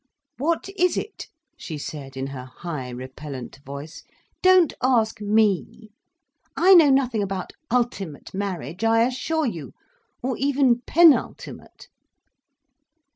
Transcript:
"What is it?" she said, in her high, repellent voice. "Don't ask me!—I know nothing about ultimate marriage, I assure you: or even penultimate."